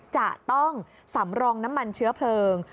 จะต้องสำรองน้ำมันเชื้อเพลิง